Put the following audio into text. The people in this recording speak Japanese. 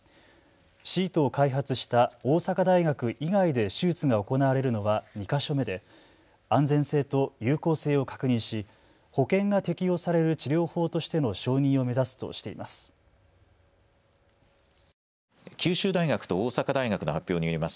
シートを開発した大阪大学以外で手術が行われるのは２か所目で安全性と有効性を確認し保険が適用される治療法としての承認を目指すとしています。